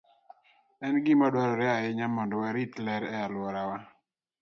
En gima dwarore ahinya mondo warit ler e alworawa.